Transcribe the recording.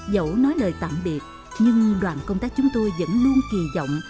dẫu nói lời tạm biệt nhưng đoàn công tác chúng tôi vẫn luôn kỳ vọng